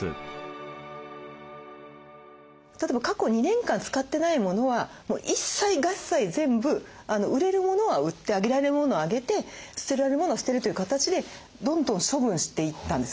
例えば過去２年間使ってないモノは一切合財全部売れるモノは売ってあげられるモノはあげて捨てられるモノは捨てるという形でどんどん処分していったんです。